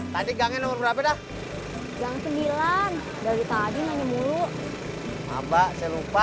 tadi gangnya nomor berapa dah yang ke sembilan dari tadi nyanyi mulu apa saya lupa